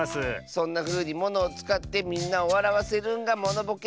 そんなふうにものをつかってみんなをわらわせるんがモノボケ。